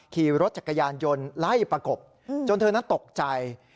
ขี่รถจักรยานยนต์ไล่ประกบจนเธอนั้นตกใจ